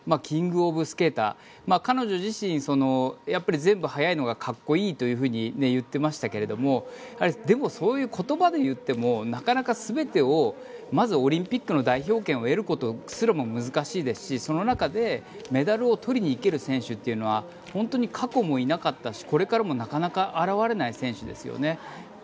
キング・オブ・スケーター彼女自身、全部速いのがかっこいいというふうに言っていましたがでもそういう言葉で言ってもなかなか全てをまずオリンピックの代表権を得ることすらも難しいですしその中でメダルを取りに行ける選手というのは本当に過去もいなかったしこれからもなかなか現れない選手ですよね。